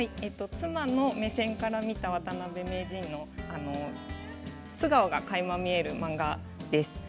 妻の目線から見た渡辺名人の素顔がかいま見える漫画です。